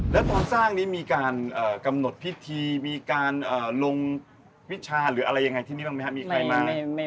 แล้วตอนสร้างนี้มีการกำหนดพิธีมีการลงวิชาหรืออะไรยังไงที่นี่บ้างไหมครับมีใครบ้าง